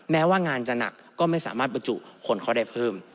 แม้ว่างานจะหนักก็ไม่สามารถบรรจุคนเขาได้เพิ่ม